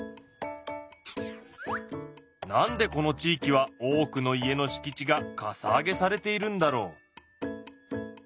何でこの地域は多くの家のしき地がかさ上げされているんだろう？